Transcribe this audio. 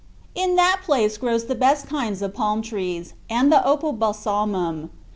In that place grows the best kind of palm trees, and the opobalsamum.